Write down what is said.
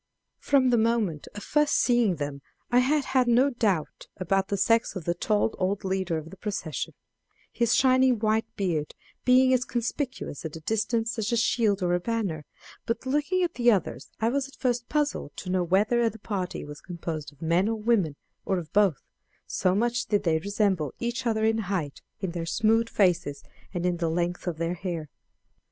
From the moment of first seeing them I had had no doubt about the sex of the tall old leader of the procession, his shining white beard being as conspicuous at a distance as a shield or a banner; but looking at the others I was at first puzzled to know whether the party was composed of men or women, or of both, so much did they resemble each other in height, in their smooth faces, and in the length of their hair.